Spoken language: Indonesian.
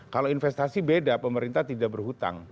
kalau investasi beda pemerintah tidak berhutang